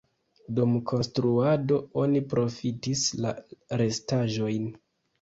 Dum konstruado oni profitis la restaĵojn.